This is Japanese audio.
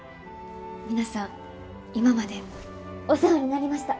皆さん今までお世話になりました。